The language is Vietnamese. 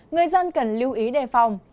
người dân cần lưu ý đề phòng